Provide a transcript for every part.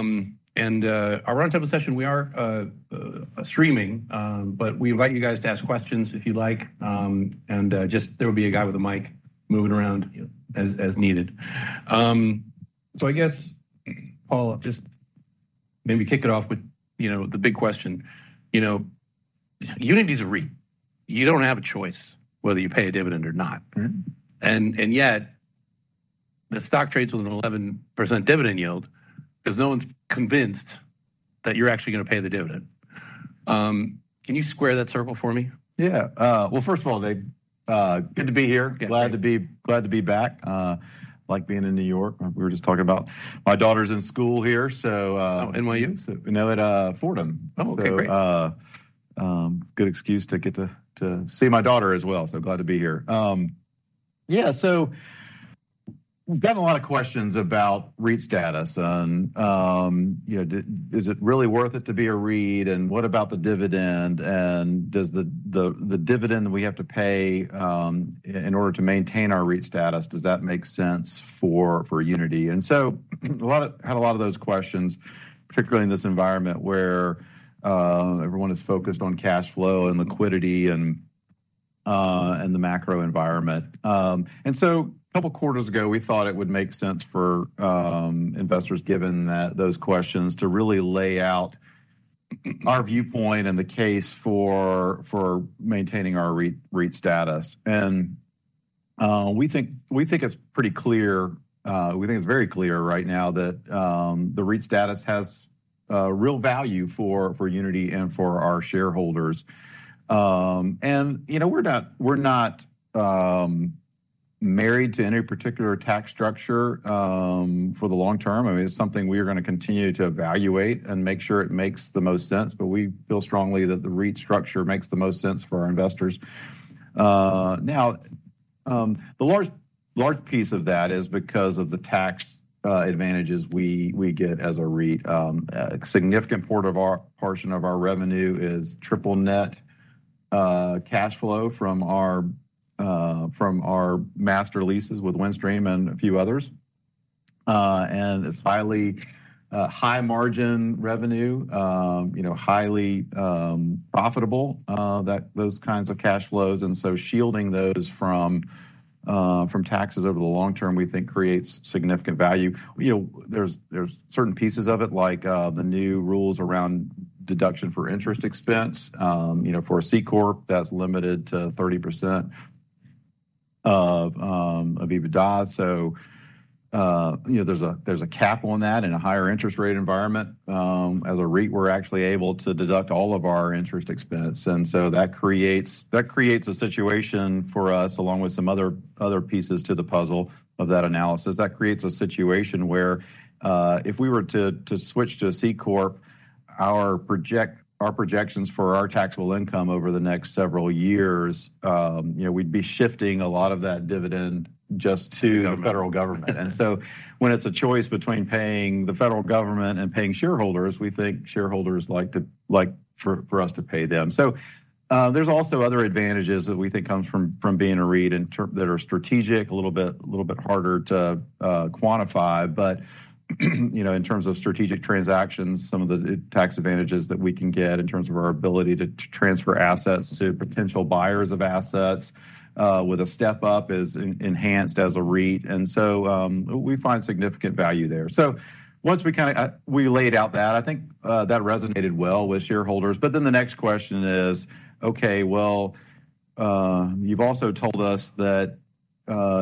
Our run time of session, we are streaming, but we invite you guys to ask questions if you'd like. Just there will be a guy with a mic moving around as needed. So I guess, Paul, just maybe kick it off with, you know, the big question. You know, Uniti is a REIT. You don't have a choice whether you pay a dividend or not. Mm-hmm. And yet, the stock trades with an 11% dividend yield, 'cause no one's convinced that you're actually gonna pay the dividend. Can you square that circle for me? Yeah. Well, first of all, Dave, good to be here. Good to- Glad to be, glad to be back. Like being in New York. We were just talking about my daughter's in school here, so, Oh, NYU? No, at Fordham. Oh, okay. Great. So, good excuse to get to see my daughter as well. So glad to be here. Yeah, so we've got a lot of questions about REIT status, and, you know, is it really worth it to be a REIT, and what about the dividend, and does the dividend we have to pay, in order to maintain our REIT status, does that make sense for Uniti? And so had a lot of those questions, particularly in this environment, where everyone is focused on cash flow and liquidity and the macro environment. And so a couple of quarters ago, we thought it would make sense for investors, given those questions, to really lay out our viewpoint and the case for maintaining our REIT status. We think, we think it's pretty clear, we think it's very clear right now that the REIT status has real value for Uniti and for our shareholders. And, you know, we're not, we're not married to any particular tax structure for the long term. I mean, it's something we are gonna continue to evaluate and make sure it makes the most sense, but we feel strongly that the REIT structure makes the most sense for our investors. Now, the large, large piece of that is because of the tax advantages we get as a REIT. A significant part of our, portion of our revenue is triple-net cash flow from our master leases with Windstream and a few others. And it's highly, high-margin revenue, you know, highly, profitable, that those kinds of cash flows, and so shielding those from, from taxes over the long term, we think creates significant value. You know, there's certain pieces of it, like, the new rules around deduction for interest expense. You know, for a C Corp, that's limited to 30% of, EBITDA. So, you know, there's a cap on that in a higher interest rate environment. As a REIT, we're actually able to deduct all of our interest expense, and so that creates a situation for us, along with some other pieces to the puzzle of that analysis. That creates a situation where, if we were to switch to a C Corp, our projections for our taxable income over the next several years, you know, we'd be shifting a lot of that dividend just to- The government The federal government, and so when it's a choice between paying the federal government and paying shareholders, we think shareholders like to like for us to pay them. So there's also other advantages that we think comes from being a REIT in terms that are strategic, a little bit harder to quantify. But you know, in terms of strategic transactions, some of the tax advantages that we can get in terms of our ability to transfer assets to potential buyers of assets with a step-up is enhanced as a REIT, and so we find significant value there. So once we kinda we laid out that, I think that resonated well with shareholders. But then the next question is, okay, well, you've also told us that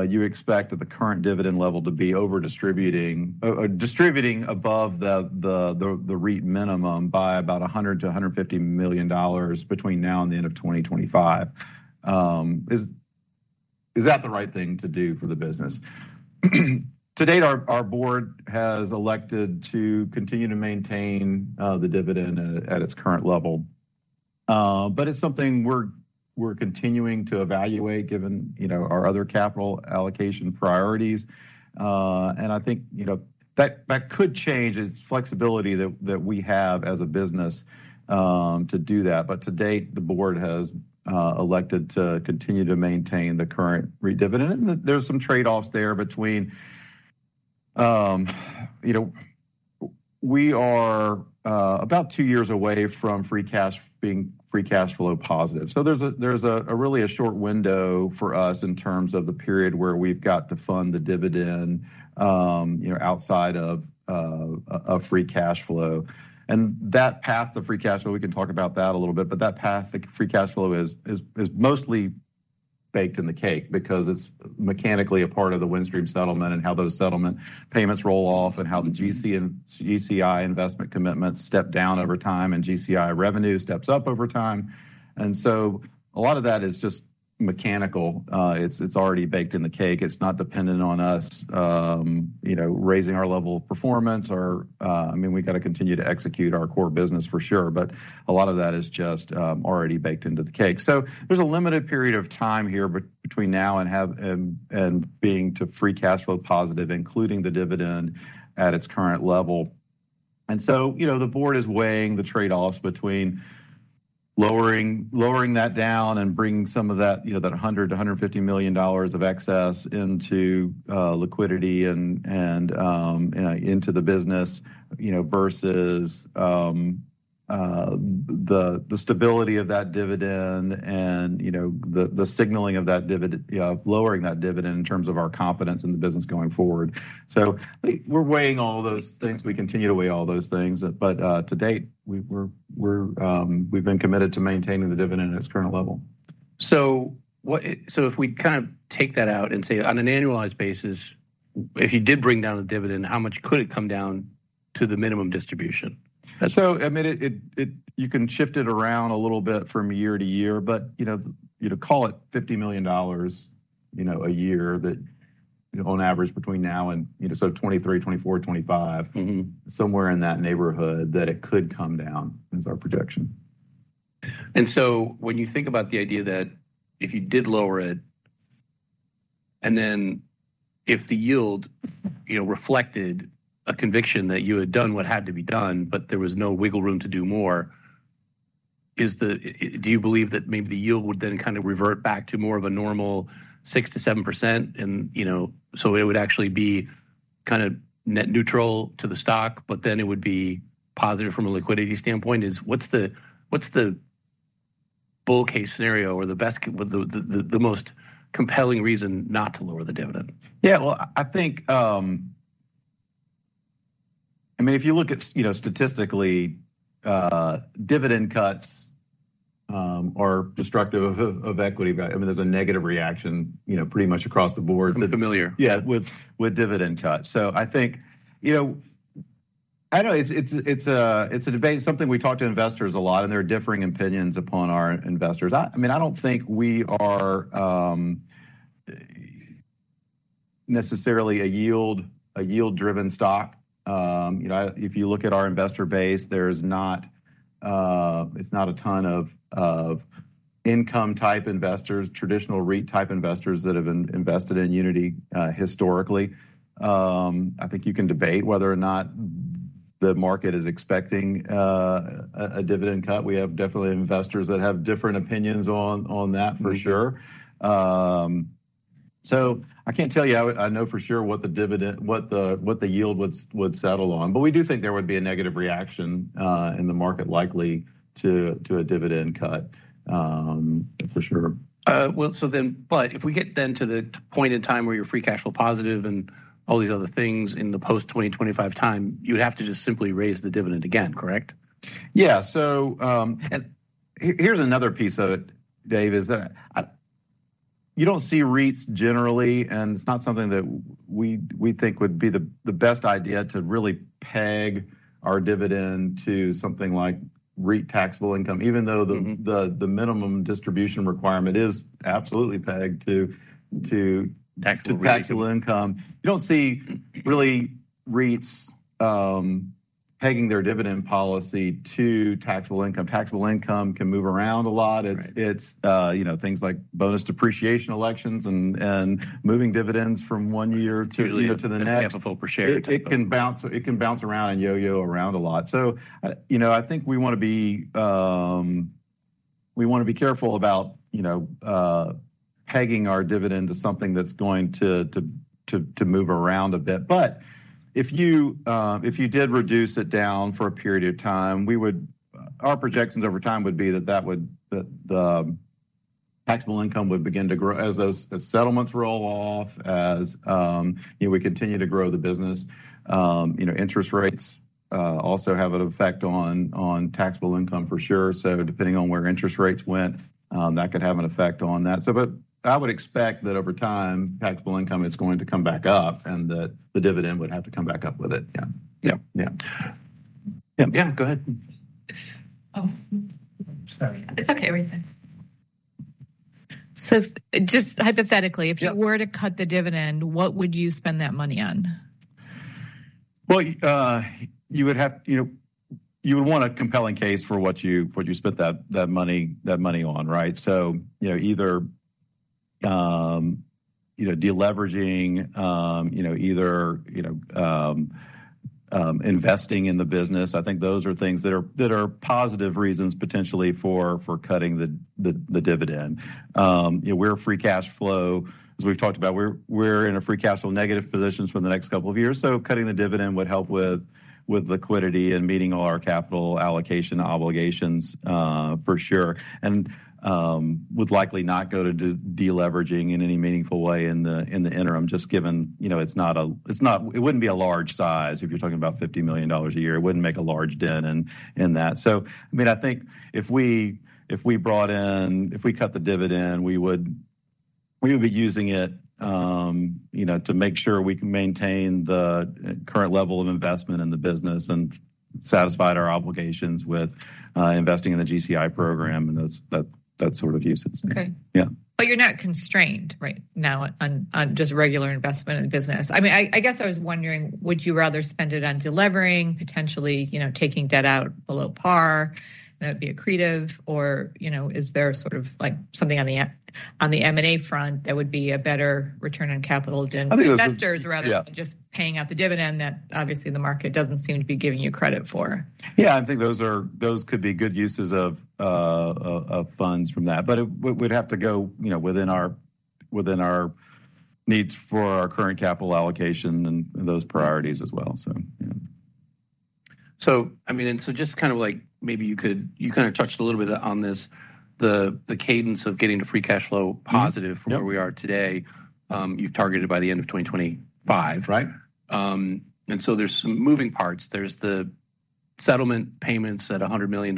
you expect that the current dividend level to be over distributing, distributing above the REIT minimum by about $100 million-$150 million between now and the end of 2025. Is that the right thing to do for the business? To date, our board has elected to continue to maintain the dividend at its current level. But it's something we're continuing to evaluate, given, you know, our other capital allocation priorities. And I think, you know, that could change. It's flexibility that we have as a business to do that. But to date, the board has elected to continue to maintain the current REIT dividend, and there's some trade-offs there between... You know, we are about two years away from being free cash flow positive. So there's a really short window for us in terms of the period where we've got to fund the dividend, you know, outside of free cash flow. And that path to free cash flow, we can talk about that a little bit, but that path to free cash flow is mostly baked in the cake because it's mechanically a part of the Windstream settlement and how those settlement payments roll off, and how the GC and GCI investment commitments step down over time, and GCI revenue steps up over time. And so a lot of that is just mechanical. It's already baked in the cake. It's not dependent on us, you know, raising our level of performance or... I mean, we've got to continue to execute our core business for sure, but a lot of that is just already baked into the cake. So there's a limited period of time here between now and have, and being to free cash flow positive, including the dividend at its current level. And so, you know, the board is weighing the trade-offs between lowering that down and bringing some of that, you know, that $100 million-$150 million of excess into liquidity and into the business, you know, versus the stability of that dividend and, you know, the signaling of that dividend of lowering that dividend in terms of our confidence in the business going forward. So we're weighing all those things. We continue to weigh all those things, but to date, we've been committed to maintaining the dividend at its current level. So if we kind of take that out and say, on an annualized basis, if you did bring down the dividend, how much could it come down to the minimum distribution? So, I mean, you can shift it around a little bit from year to year, but, you know, you'd call it $50 million, you know, a year that on average between now and, you know, so 2023, 2024, 2025- Mm-hmm. Somewhere in that neighborhood, that it could come down, is our projection. And so when you think about the idea that if you did lower it, and then if the yield, you know, reflected a conviction that you had done what had to be done, but there was no wiggle room to do more, is the... Do you believe that maybe the yield would then kind of revert back to more of a normal 6%-7%? And, you know, so it would actually be kind of net neutral to the stock, but then it would be positive from a liquidity standpoint. What's the, what's the bull case scenario or the best, the most compelling reason not to lower the dividend? Yeah, well, I think, I mean, if you look at, you know, statistically, dividend cuts are destructive of equity value. I mean, there's a negative reaction, you know, pretty much across the board- I'm familiar. Yeah, with dividend cuts. So I think, you know, I know it's a debate, something we talk to investors a lot, and there are differing opinions among our investors. I mean, I don't think we are necessarily a yield-driven stock. You know, if you look at our investor base, there's not a ton of income-type investors, traditional REIT-type investors that have been invested in Uniti, historically. I think you can debate whether or not the market is expecting a dividend cut. We have definitely investors that have different opinions on that, for sure. Mm-hmm. So, I can't tell you I know for sure what the dividend, what the yield would settle on, but we do think there would be a negative reaction in the market likely to a dividend cut, for sure. Well, so then, but if we get then to the point in time where you're free cash flow positive and all these other things in the post-2025 time, you would have to just simply raise the dividend again, correct? Yeah. So, and here's another piece of it, Dave, is that I... You don't see REITs generally, and it's not something that we think would be the best idea to really peg our dividend to something like REIT taxable income, even though the- Mm The minimum distribution requirement is absolutely pegged to- Taxable income Taxable income. You don't see really REITs pegging their dividend policy to taxable income. Taxable income can move around a lot. Right. It's, you know, things like bonus depreciation elections and moving dividends from one year to- Usually- You know, to the next Have a full per share. It can bounce, it can bounce around and yo-yo around a lot. So, you know, I think we want to be, we want to be careful about, you know, pegging our dividend to something that's going to move around a bit. But if you, if you did reduce it down for a period of time, we would. Our projections over time would be that the taxable income would begin to grow as those, as settlements roll off, as, you know, we continue to grow the business. You know, interest rates also have an effect on, on taxable income for sure. So depending on where interest rates went, that could have an effect on that. But I would expect that over time, taxable income is going to come back up and that the dividend would have to come back up with it. Yeah. Yeah. Yeah. Yeah, go ahead. Oh. Sorry. It's okay, we're good. So just hypothetically- Yeah If you were to cut the dividend, what would you spend that money on? Well, you would have... You know, you would want a compelling case for what you spent that money on, right? So, you know, either deleveraging or investing in the business, I think those are things that are positive reasons potentially for cutting the dividend. You know, we're free cash flow. As we've talked about, we're in a free cash flow negative position for the next couple of years, so cutting the dividend would help with liquidity and meeting all our capital allocation obligations, for sure, and would likely not go to deleveraging in any meaningful way in the interim, just given, you know, it's not—it wouldn't be a large size if you're talking about $50 million a year. It wouldn't make a large dent in that. So, I mean, I think if we cut the dividend, we would be using it, you know, to make sure we can maintain the current level of investment in the business and satisfy our obligations with investing in the GCI program and that sort of usage. Okay. Yeah. But you're not constrained right now on just regular investment in the business. I mean, I guess I was wondering, would you rather spend it on delevering, potentially, you know, taking debt out below par, that would be accretive? Or, you know, is there sort of like something on the M&A front that would be a better return on capital than- I think- Investors, rather- Yeah Than just paying out the dividend that obviously the market doesn't seem to be giving you credit for? Yeah, I think those are—those could be good uses of funds from that, but we'd have to go, you know, within our needs for our current capital allocation and those priorities as well, so yeah. I mean, just kind of like, maybe you could, you kind of touched a little bit on this, the cadence of getting to free cash flow positive- Mm-hmm. Yep From where we are today, you've targeted by the end of 2025, right? And so there's some moving parts. There's the settlement payments at $100 million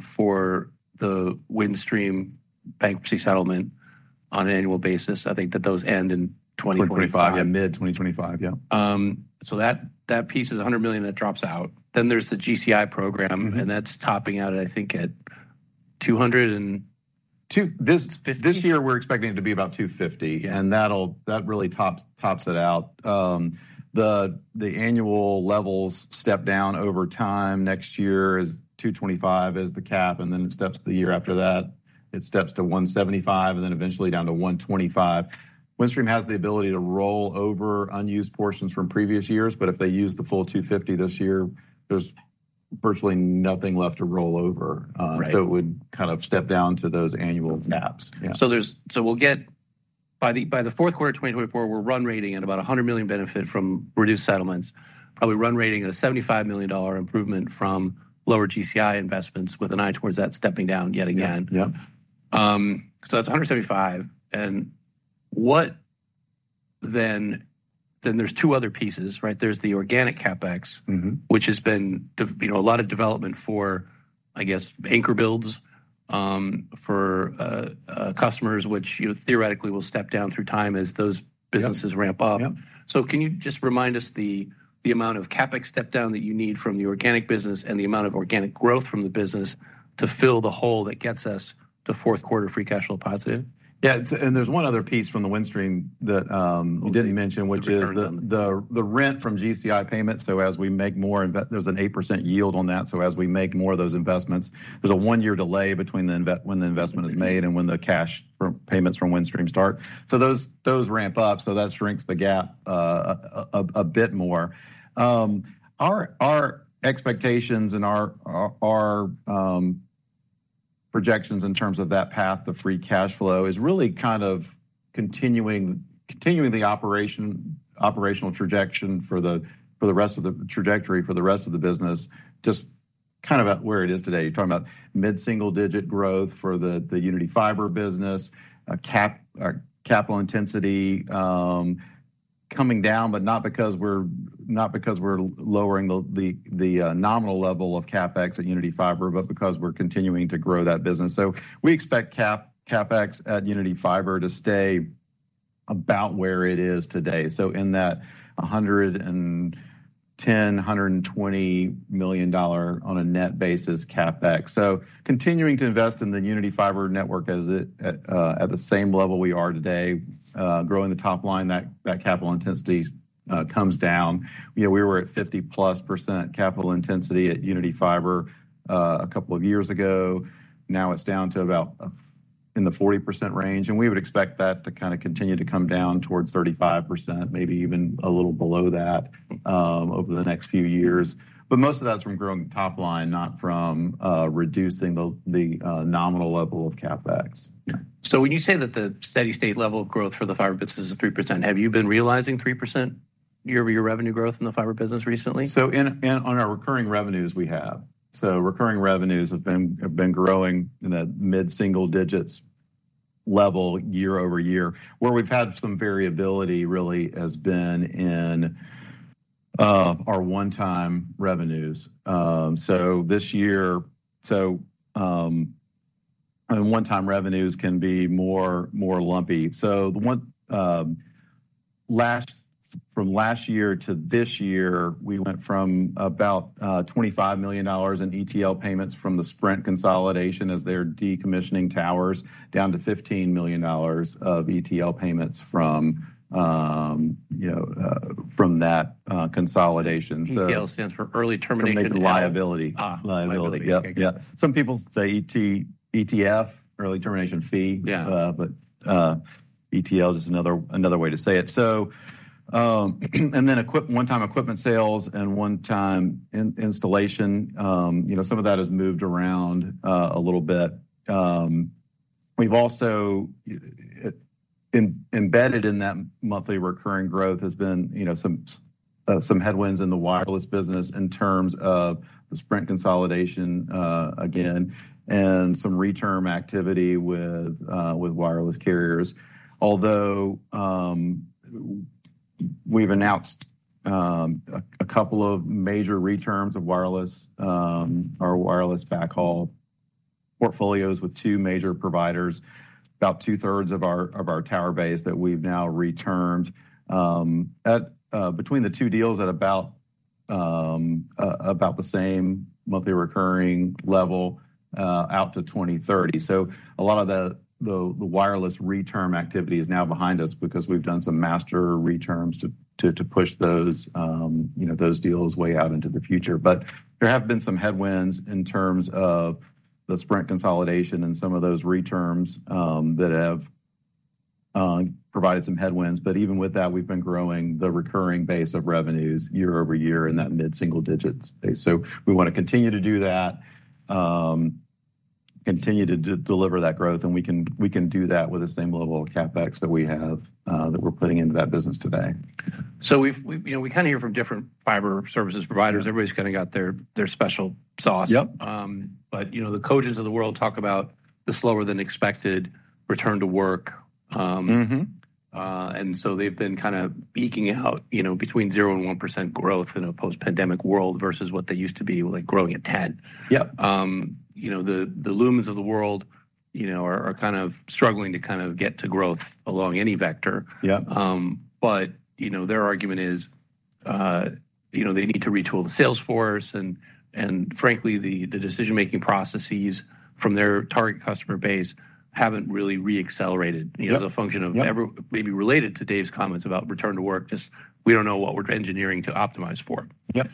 for the Windstream bankruptcy settlement on an annual basis. I think that those end in 2025. 2025. Yeah, mid-2025, yeah. So that piece is $100 million that drops out. Then there's the GCI program- Mm-hmm And that's topping out, I think, at 200 and- This year, we're expecting it to be about $250 million, and that'll that really tops it out. The annual levels step down over time. Next year is $225 million is the cap, and then it steps to the year after that. It steps to $175 million, and then eventually down to $125 million. Windstream has the ability to roll over unused portions from previous years, but if they use the full $250 million this year, there's virtually nothing left to roll over. Right. It would kind of step down to those annual caps. Yeah. So we'll get by the fourth quarter of 2024, we're run-rating at about a $100 million benefit from reduced settlements, probably run-rating at a $75 million improvement from lower GCI investments, with an eye towards that stepping down yet again. Yep, yep. So that's 175, and what then, then there's two other pieces, right? There's the organic CapEx- Mm-hmm Which has been, you know, a lot of development for, I guess, anchor builds for customers, which, you know, theoretically will step down through time as those businesses ramp up. Yep. Can you just remind us the amount of CapEx step down that you need from the organic business and the amount of organic growth from the business to fill the hole that gets us to fourth quarter free cash flow positive? Yeah, it's and there's one other piece from the Windstream that you didn't mention. The return Which is the rent from GCI payments. So as we make more investments, there's an 8% yield on that, so as we make more of those investments, there's a one-year delay between the investment when the investment is made and when the cash from payments from Windstream start. So those ramp up, so that shrinks the gap a bit more. Our expectations and our projections in terms of that path of free cash flow is really kind of continuing the operational trajectory for the rest of the business, just kind of at where it is today. You're talking about mid-single-digit growth for the Uniti Fiber business, a capital intensity coming down, but not because we're lowering the nominal level of CapEx at Uniti Fiber, but because we're continuing to grow that business. So we expect CapEx at Uniti Fiber to stay about where it is today. So in that $110-$120 million on a net basis CapEx. So continuing to invest in the Uniti Fiber network at the same level we are today, growing the top line, that capital intensity comes down. You know, we were at 50%+ capital intensity at Uniti Fiber a couple of years ago. Now, it's down to about in the 40% range, and we would expect that to kind of continue to come down towards 35%, maybe even a little below that, over the next few years. But most of that is from growing the top line, not from reducing the nominal level of CapEx. When you say that the steady-state level of growth for the fiber business is 3%, have you been realizing 3% year-over-year revenue growth in the fiber business recently? So in on our recurring revenues, we have. So recurring revenues have been growing in that mid-single digits level year-over-year. Where we've had some variability really has been in our one-time revenues. So this year... So, and one-time revenues can be more lumpy. So from last year to this year, we went from about $25 million in ETL payments from the Sprint consolidation as they're decommissioning towers, down to $15 million of ETL payments from, you know, from that consolidation, so- ETL stands for Early Termination- Termination Liability. Ah, liability. Liability, yep, yeah. Some people say ET- ETF, Early Termination Fee. Yeah. But ETL is just another way to say it. So, and then one-time equipment sales and one-time installation, you know, some of that has moved around a little bit. We've also embedded in that monthly recurring growth has been, you know, some headwinds in the wireless business in terms of the Sprint consolidation, again, and some reterm activity with wireless carriers. Although, we've announced a couple of major reterms of our wireless backhaul portfolios with two major providers, about two-thirds of our tower base that we've now retermed at between the two deals at about the same monthly recurring level out to 2030. So a lot of the wireless reterm activity is now behind us because we've done some master reterms to push those, you know, those deals way out into the future. But there have been some headwinds in terms of the Sprint consolidation and some of those reterms that have provided some headwinds, but even with that, we've been growing the recurring base of revenues year-over-year in that mid-single digits space. So we want to continue to do that, continue to deliver that growth, and we can, we can do that with the same level of CapEx that we have that we're putting into that business today. So we, you know, we kind of hear from different fiber services providers. Yeah. Everybody's kind of got their special sauce. Yep. You know, the Cogents of the world talk about the slower-than-expected return to work. Mm-hmm. And so they've been kind of eking out, you know, between 0%-1% growth in a post-pandemic world versus what they used to be, like, growing at 10%. Yep. You know, the Lumen of the world, you know, are kind of struggling to kind of get to growth along any vector. Yep. But, you know, their argument is, you know, they need to retool the sales force. And frankly, the decision-making processes from their target customer base haven't really re-accelerated- Yep As a function of every- Yep Maybe related to Dave's comments about return to work, just we don't know what we're engineering to optimize for. Yep.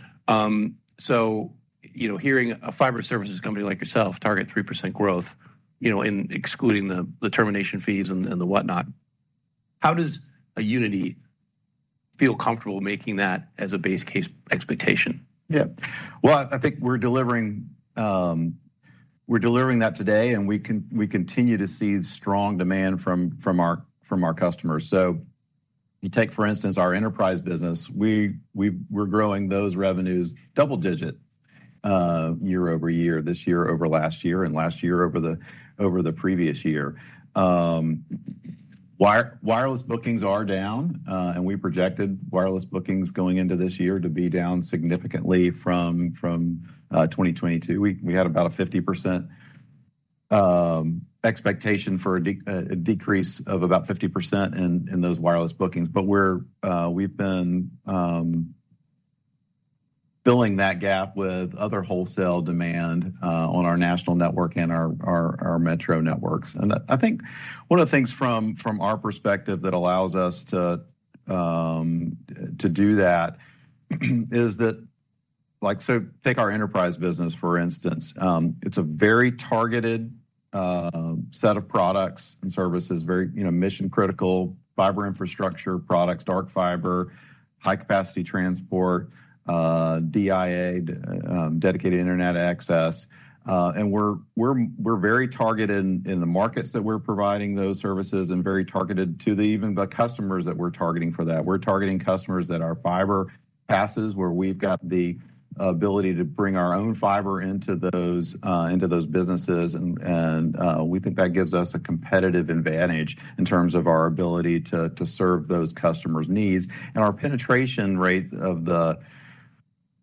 So, you know, hearing a fiber services company like yourself target 3% growth, you know, in excluding the termination fees and the whatnot, how does Uniti feel comfortable making that as a base case expectation? Yeah. Well, I think we're delivering that today, and we continue to see strong demand from our customers. So you take, for instance, our enterprise business. We're growing those revenues double-digit year-over-year, this year over last year and last year over the previous year. Wireless bookings are down, and we projected wireless bookings going into this year to be down significantly from 2022. We had about a 50% expectation for a decrease of about 50% in those wireless bookings. But we've been filling that gap with other wholesale demand on our national network and our metro networks. I think one of the things from our perspective that allows us to do that is that—like, so take our enterprise business, for instance. It's a very targeted set of products and services, very you know, mission-critical fiber infrastructure products, dark fiber, high-capacity transport, DIA, dedicated internet access. And we're very targeted in the markets that we're providing those services and very targeted to the—even the customers that we're targeting for that. We're targeting customers that our fiber passes, where we've got the ability to bring our own fiber into those into those businesses. And we think that gives us a competitive advantage in terms of our ability to serve those customers' needs. Our penetration rate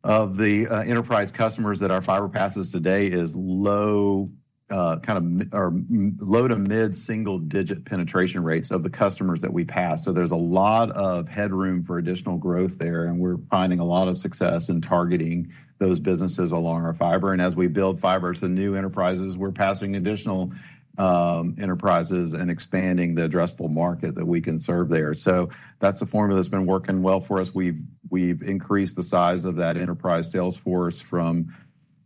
of the enterprise customers that our fiber passes today is low to mid-single-digit penetration rates of the customers that we pass. So there's a lot of headroom for additional growth there, and we're finding a lot of success in targeting those businesses along our fiber. As we build fiber to new enterprises, we're passing additional enterprises and expanding the addressable market that we can serve there. So that's a formula that's been working well for us. We've increased the size of that enterprise sales force from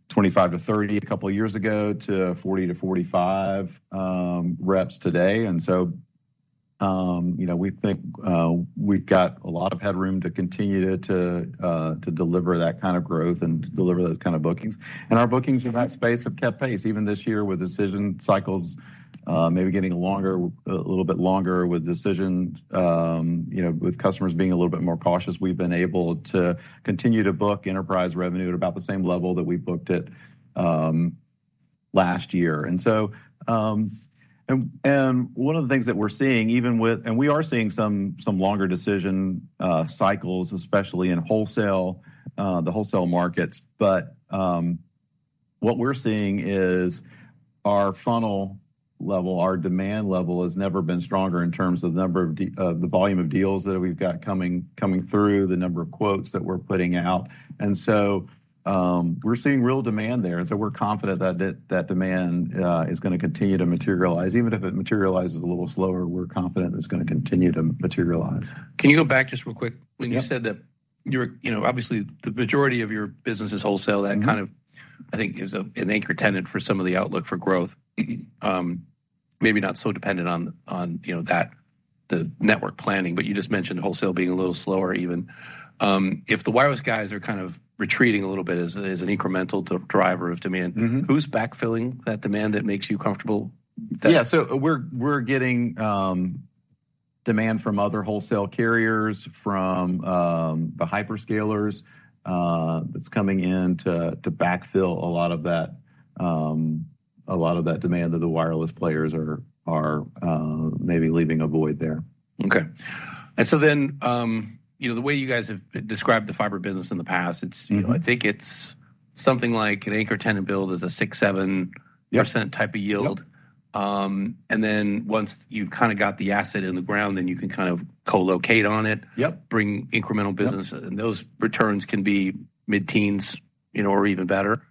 25 to 30 a couple of years ago, to 40-45 reps today. So, you know, we think we've got a lot of headroom to continue to deliver that kind of growth and deliver those kind of bookings. Our bookings in that space have kept pace, even this year, with decision cycles maybe getting longer, a little bit longer with decisions. You know, with customers being a little bit more cautious, we've been able to continue to book enterprise revenue at about the same level that we booked it last year. And so, and one of the things that we're seeing, even with... and we are seeing some longer decision cycles, especially in wholesale, the wholesale markets. But, what we're seeing is our funnel level, our demand level has never been stronger in terms of the number of the volume of deals that we've got coming through, the number of quotes that we're putting out. And so, we're seeing real demand there, so we're confident that demand is going to continue to materialize. Even if it materializes a little slower, we're confident it's going to continue to materialize. Can you go back just real quick? Yep. When you said that you're, you know, obviously, the majority of your business is wholesale. Mm-hmm. That kind of, I think, is an anchor tenant for some of the outlook for growth. Maybe not so dependent on, on, you know, that, the network planning, but you just mentioned wholesale being a little slower even. If the wireless guys are kind of retreating a little bit as an incremental driver of demand- Mm-hmm Who's backfilling that demand that makes you comfortable that- Yeah. So we're getting demand from other wholesale carriers, from the hyperscalers, that's coming in to backfill a lot of that demand that the wireless players are maybe leaving a void there. Okay. And so then, you know, the way you guys have described the fiber business in the past, it's- Mm-hmm You know, I think it's something like an anchor tenant build is a six-seven- Yep -% type of yield. Yep. And then once you've kind of got the asset in the ground, then you can kind of co-locate on it. Yep Bring incremental business. Yep. Those returns can be mid-teens, you know, or even better.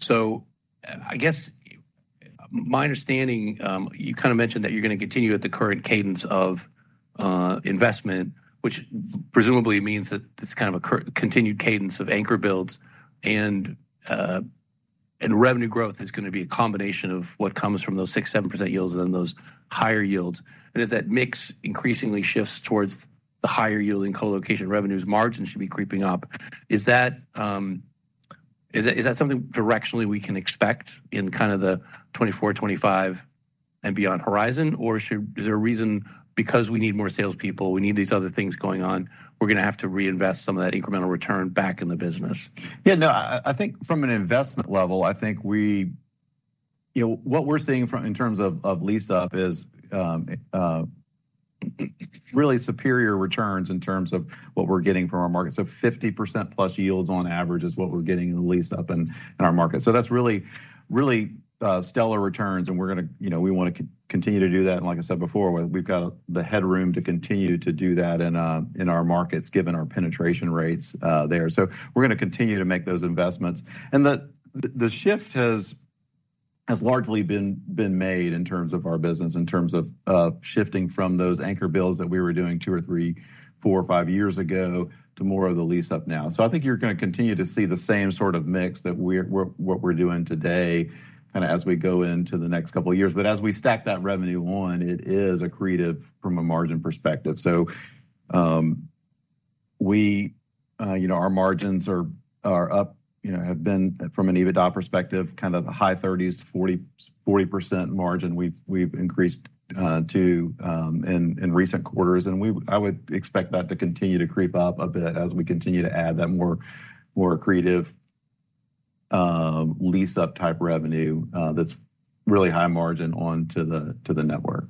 So I guess my understanding, you kind of mentioned that you're going to continue at the current cadence of investment, which presumably means that it's kind of a continued cadence of anchor builds and revenue growth is going to be a combination of what comes from those 6%-7% yields and then those higher yields. And as that mix increasingly shifts towards the higher yielding co-location revenues, margins should be creeping up. Is that something directionally we can expect in kind of the 2024, 2025 and beyond horizon? Or is there a reason, because we need more salespeople, we need these other things going on, we're gonna have to reinvest some of that incremental return back in the business? Yeah, no, I think from an investment level, I think we—you know, what we're seeing from—in terms of lease up is really superior returns in terms of what we're getting from our markets. So 50%+ yields on average is what we're getting in the lease up in our market. So that's really, really stellar returns, and we're gonna, you know, we want to continue to do that. And like I said before, we've got the headroom to continue to do that in our markets, given our penetration rates there. So we're gonna continue to make those investments. The shift has largely been made in terms of our business, in terms of shifting from those anchor builds that we were doing two or three, four or five years ago, to more of the lease up now. So I think you're gonna continue to see the same sort of mix that we're doing today, kinda as we go into the next couple of years. But as we stack that revenue on, it is accretive from a margin perspective. So, you know, our margins are up, you know, have been, from an EBITDA perspective, kind of the high 30s to 40, 40% margin we've increased to in recent quarters. I would expect that to continue to creep up a bit as we continue to add that more, more accretive lease-up type revenue that's really high margin on to the network.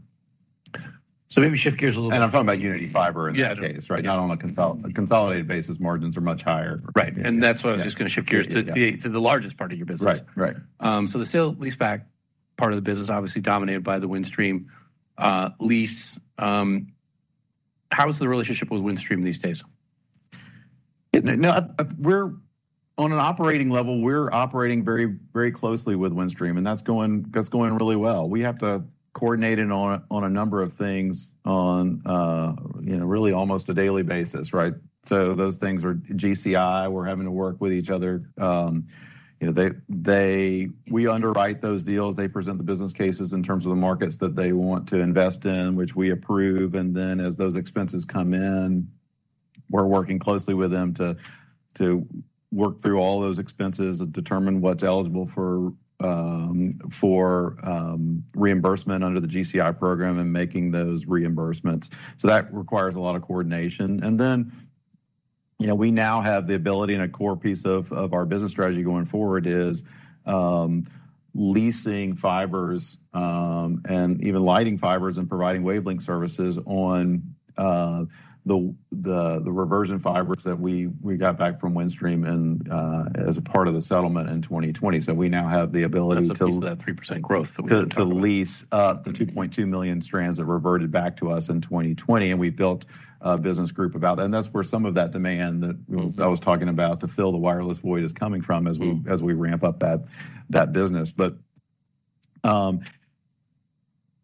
So, maybe shift gears a little bit- I'm talking about Uniti Fiber- Yeah In this case, right? Not on a consolidated basis, margins are much higher. Right. That's why I was just gonna shift gears- Yeah to the largest part of your business. Right. Right. So, the sale-leaseback part of the business, obviously dominated by the Windstream lease. How is the relationship with Windstream these days? No, we're on an operating level operating very, very closely with Windstream, and that's going, that's going really well. We have to coordinate in on a, on a number of things on, you know, really almost a daily basis, right? So those things are GCI, we're having to work with each other. You know, they, they... We underwrite those deals, they present the business cases in terms of the markets that they want to invest in, which we approve, and then as those expenses come in, we're working closely with them to, to work through all those expenses and determine what's eligible for, for, reimbursement under the GCI program and making those reimbursements. So that requires a lot of coordination. And then, you know, we now have the ability, and a core piece of our business strategy going forward is leasing fibers, and even lighting fibers and providing wavelength services on the reversion fibers that we got back from Windstream and as a part of the settlement in 2020. So we now have the ability to- That's a piece of that 3% growth that we were talking about. To lease, the 2.2 million strands that reverted back to us in 2020, and we built a business group about... And that's where some of that demand that- Mm-hmm I was talking about to fill the wireless void is coming from- Mm As we ramp up that business. But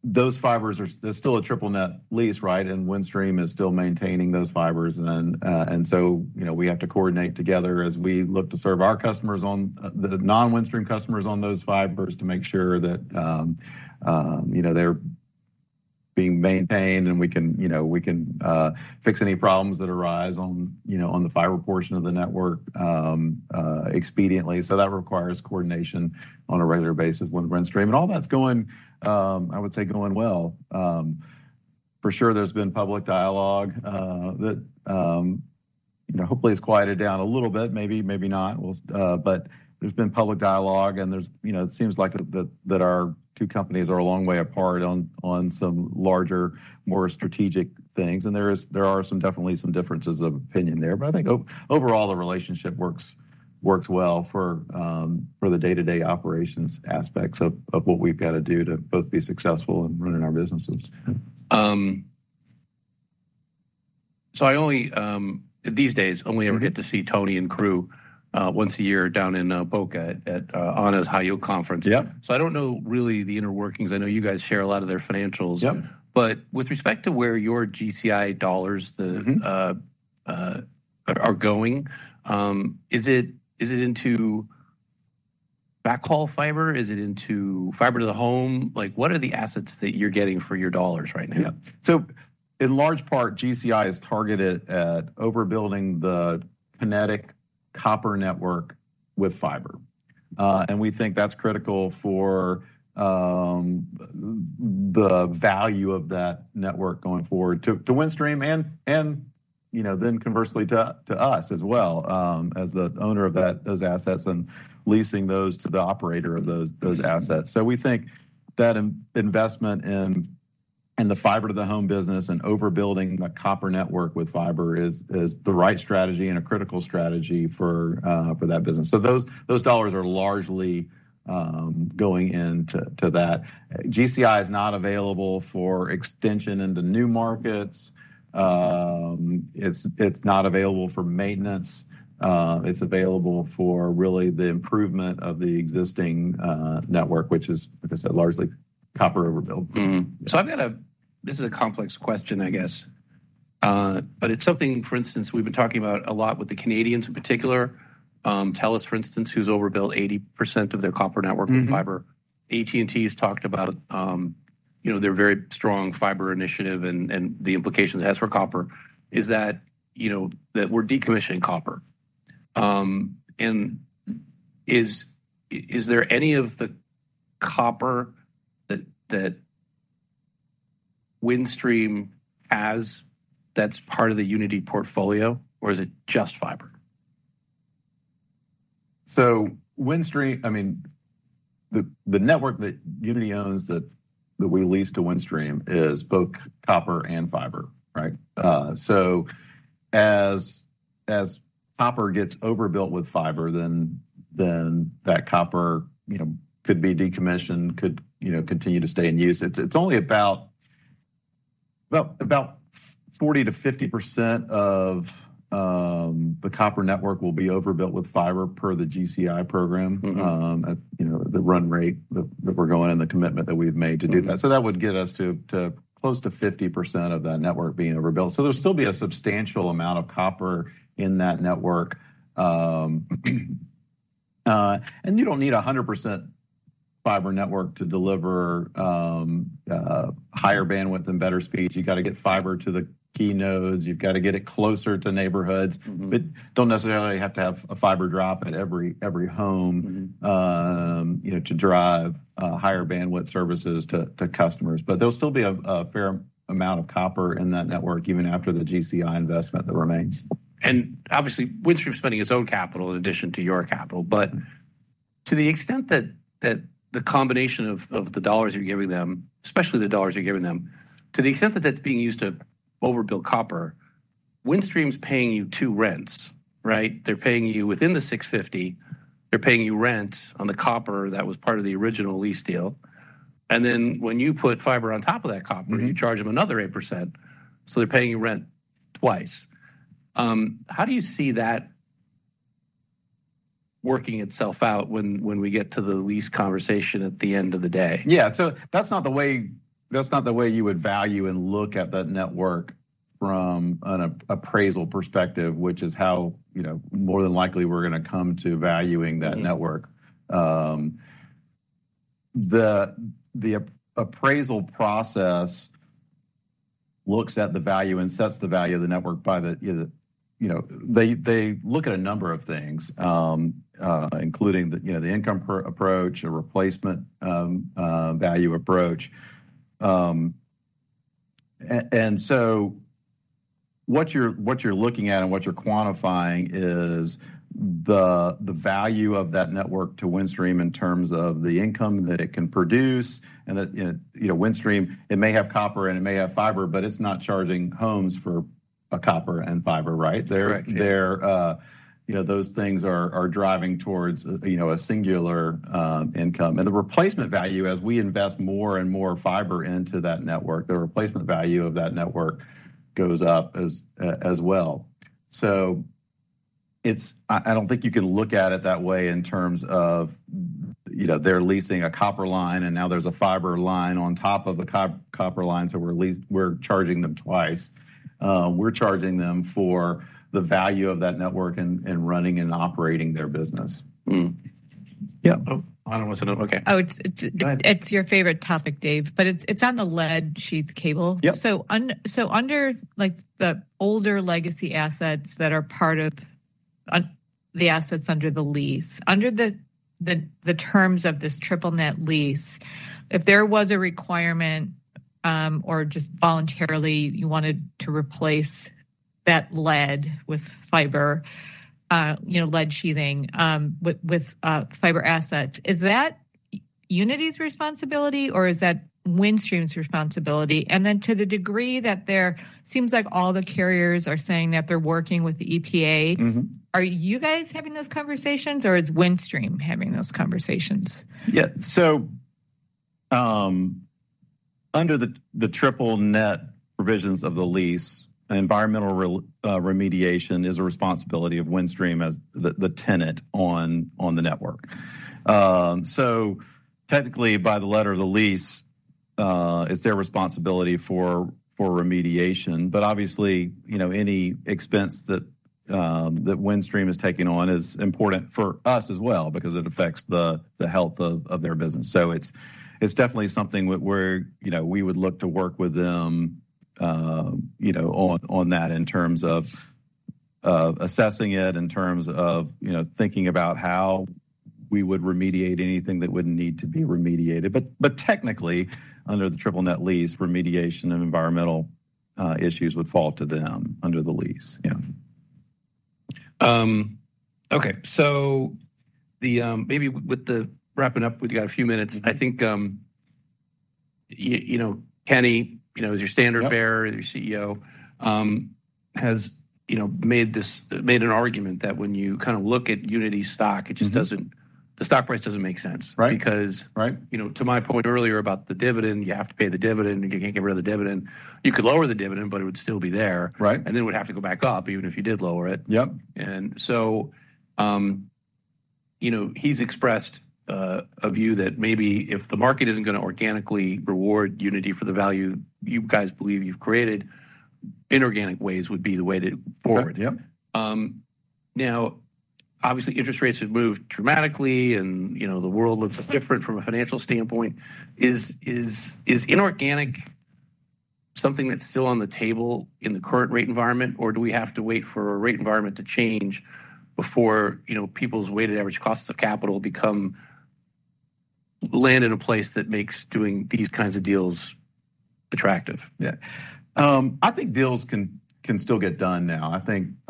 those fibers are—they're still a triple-net lease, right? And Windstream is still maintaining those fibers. And so, you know, we have to coordinate together as we look to serve our non-Windstream customers on those fibers, to make sure that, you know, they're being maintained and we can, you know, fix any problems that arise on, you know, on the fiber portion of the network, expediently. So that requires coordination on a regular basis with Windstream. And all that's going, I would say, going well. For sure, there's been public dialogue, that, you know, hopefully has quieted down a little bit, maybe, maybe not. But there's been public dialogue and there's, you know, it seems like that, that our two companies are a long way apart on, on some larger, more strategic things. And there are some definitely some differences of opinion there. But I think overall, the relationship works, works well for, for the day-to-day operations aspects of, of what we've got to do to both be successful in running our businesses. So, these days, I only ever- Mm-hmm Get to see Tony and crew once a year down in Boca at ONUG Ohio conference. Yep. I don't know really the inner workings. I know you guys share a lot of their financials. Yep. With respect to where your GCI dollars, Mm-hmm Are going, is it, is it into backhaul fiber? Is it into fiber to the home? Like, what are the assets that you're getting for your dollars right now? Yep. So in large part, GCI is targeted at overbuilding the Kinetic copper network with fiber. And we think that's critical for the value of that network going forward to Windstream and, you know, then conversely, to us as well, as the owner of those assets, and leasing those to the operator of those assets. So we think that investment in the fiber to the home business and overbuilding the copper network with fiber is the right strategy and a critical strategy for that business. So those dollars are largely going into that. GCI is not available for extension into new markets. It's not available for maintenance. It's available for really the improvement of the existing network, which is, like I said, largely copper overbuild. Mm-hmm. So I've got a... This is a complex question, I guess.... but it's something, for instance, we've been talking about a lot with the Canadians in particular. TELUS, for instance, who's overbuilt 80% of their copper network with fiber. Mm-hmm. AT&T has talked about, you know, their very strong fiber initiative and the implications it has for copper, is that, you know, that we're decommissioning copper. And is there any of the copper that Windstream has that's part of the Uniti portfolio, or is it just fiber? So Windstream, I mean, the network that Uniti owns, that we lease to Windstream is both copper and fiber, right? So as copper gets overbuilt with fiber, then that copper, you know, could be decommissioned, could, you know, continue to stay in use. It's only about, well, about 40%-50% of the copper network will be overbuilt with fiber per the GCI program. Mm-hmm. you know, the run rate that we're going and the commitment that we've made to do that. Mm-hmm. So that would get us to close to 50% of that network being overbuilt. So there'll still be a substantial amount of copper in that network. And you don't need a 100% fiber network to deliver higher bandwidth and better speeds. You've got to get fiber to the key nodes. You've got to get it closer to neighborhoods. Mm-hmm. But don't necessarily have to have a fiber drop at every home. Mm-hmm You know, to drive higher bandwidth services to customers. But there'll still be a fair amount of copper in that network, even after the GCI investment that remains. Obviously, Windstream is spending its own capital in addition to your capital. But to the extent that the combination of the dollars you're giving them, especially the dollars you're giving them, to the extent that that's being used to overbuild copper, Windstream's paying you two rents, right? They're paying you within the $650, they're paying you rent on the copper that was part of the original lease deal, and then when you put fiber on top of that copper- Mm-hmm You charge them another 8%, so they're paying you rent twice. How do you see that working itself out when we get to the lease conversation at the end of the day? Yeah. So that's not the way, that's not the way you would value and look at that network from an appraisal perspective, which is how, you know, more than likely we're going to come to valuing that network. Mm-hmm. The appraisal process looks at the value and sets the value of the network by the, you know, the... You know, they look at a number of things, including the, you know, the income approach, a replacement value approach. And so what you're looking at and what you're quantifying is the value of that network to Windstream in terms of the income that it can produce and that, and, you know, Windstream, it may have copper and it may have fiber, but it's not charging homes for a copper and fiber, right? Correct. They're, you know, those things are driving towards, you know, a singular income. And the replacement value, as we invest more and more fiber into that network, the replacement value of that network goes up as well. So it's I don't think you can look at it that way in terms of, you know, they're leasing a copper line, and now there's a fiber line on top of the copper line, so we're charging them twice. We're charging them for the value of that network and running and operating their business. Mm-hmm. Yeah. Oh, I don't want to say no. Okay. Oh, it's. Go ahead It's your favorite topic, Dave, but it's on the lead sheath cable. Yep. So under, like, the older legacy assets that are part of the assets under the lease, under the terms of this triple net lease, if there was a requirement or just voluntarily you wanted to replace that lead sheathing with fiber assets, is that Uniti's responsibility, or is that Windstream's responsibility? And then, to the degree that they're, seems like all the carriers are saying that they're working with the EPA. Mm-hmm. Are you guys having those conversations, or is Windstream having those conversations? Yeah. So, under the triple net provisions of the lease, an environmental remediation is a responsibility of Windstream as the tenant on the network. So technically, by the letter of the lease, it's their responsibility for remediation. But obviously, you know, any expense that Windstream is taking on is important for us as well because it affects the health of their business. So it's definitely something where, you know, we would look to work with them, you know, on that in terms of assessing it, in terms of, you know, thinking about how we would remediate anything that would need to be remediated. But technically, under the triple net lease, remediation of environmental issues would fall to them under the lease. Yeah. Okay. So maybe with the wrapping up, we've got a few minutes. Mm-hmm. I think, you know, Kenny, you know, as your standard bearer- Yep As your CEO, you know, has made an argument that when you kind of look at Uniti's stock- Mm-hmm It just doesn't, the stock price doesn't make sense. Right. Because- Right You know, to my point earlier about the dividend, you have to pay the dividend. You can't get rid of the dividend. You could lower the dividend, but it would still be there. Right. It would have to go back up, even if you did lower it. Yep. And so, you know, he's expressed a view that maybe if the market isn't gonna organically reward Uniti for the value you guys believe you've created, inorganic ways would be the way to forward. Yep. Now, obviously, interest rates have moved dramatically, and, you know, the world looks different from a financial standpoint. Is inorganic something that's still on the table in the current rate environment, or do we have to wait for a rate environment to change before, you know, people's weighted average costs of capital become-- land in a place that makes doing these kinds of deals attractive? Yeah. I think deals can still get done now. I think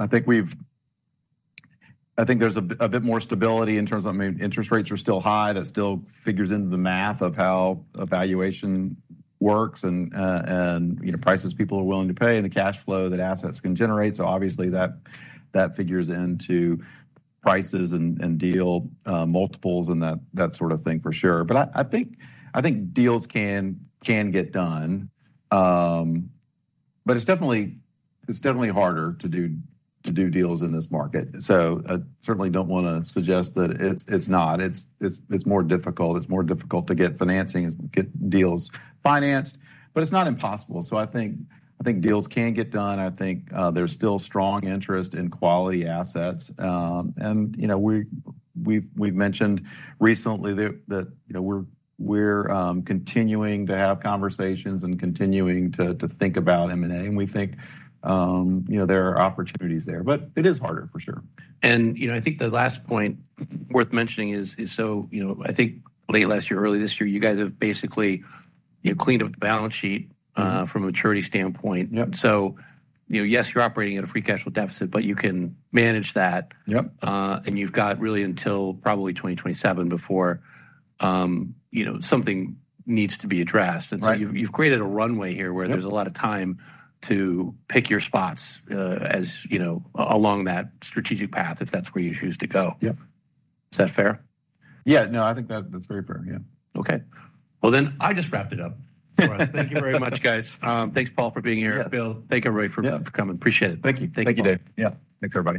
there's a bit more stability in terms of, I mean, interest rates are still high. That still figures into the math of how evaluation works and, and, you know, prices people are willing to pay and the cash flow that assets can generate. So obviously, that figures into prices and deal multiples and that sort of thing, for sure. But I think deals can get done. But it's definitely harder to do deals in this market. So I certainly don't wanna suggest that it's not. It's more difficult. It's more difficult to get financing, and get deals financed, but it's not impossible. So I think, I think deals can get done, I think, there's still strong interest in quality assets. And, you know, we've mentioned recently that, you know, we're continuing to have conversations and continuing to think about M&A. And we think, you know, there are opportunities there, but it is harder, for sure. You know, I think the last point worth mentioning is so, you know, I think late last year, early this year, you guys have basically, you know, cleaned up the balance sheet from a maturity standpoint. Yep. You know, yes, you're operating at a free cash flow deficit, but you can manage that. Yep. You've got really until probably 2027 before, you know, something needs to be addressed. Right. And so you've created a runway here- Yep Where there's a lot of time to pick your spots, as you know, along that strategic path, if that's where you choose to go. Yep. Is that fair? Yeah. No, I think that's, that's very fair. Yeah. Okay. Well, then, I just wrapped it up for us. Thank you very much, guys. Thanks, Paul, for being here. Yeah. Bill, thank you, everybody, for coming. Yeah. Appreciate it. Thank you. Thank you. Thank you, Dave. Yeah, thanks, everybody.